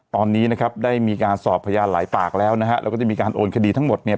ตอนนี้นะครับได้มีการสอบพยานหลายปากแล้วนะฮะแล้วก็จะมีการโอนคดีทั้งหมดเนี่ย